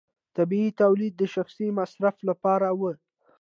طبیعي تولید د شخصي مصرف لپاره و.